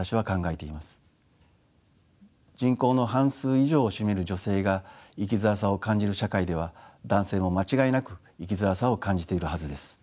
人口の半数以上を占める女性が生きづらさを感じる社会では男性も間違いなく生きづらさを感じているはずです。